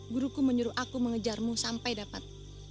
guruku menyuruh aku mengejarmu sampai dapat